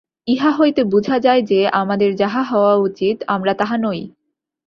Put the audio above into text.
ইহা হইতে বুঝা যায় যে, আমাদের যাহা হওয়া উচিত, আমরা তাহা নই।